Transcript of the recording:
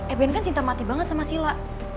even kan cinta mati banget sama sila